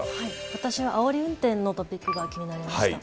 私はあおり運転のトピックが気になりました。